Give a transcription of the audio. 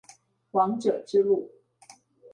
王者之路